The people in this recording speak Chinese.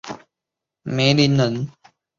嘎达梅林人。